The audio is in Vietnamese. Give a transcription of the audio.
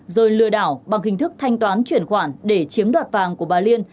rồi lừa đảo bằng hình thức thanh toán chuyển khoản để chiếm đoạt vàng của bà liên